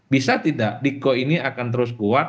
bisa tidak diko ini akan terus kuat